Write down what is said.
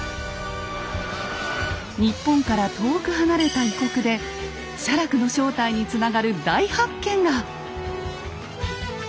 日本から遠く離れた異国で写楽の正体につながる大発見が！